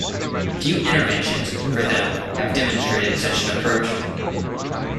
Few interventions, for them, have demonstrated such an approach.